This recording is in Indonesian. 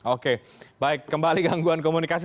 oke baik kembali gangguan komunikasi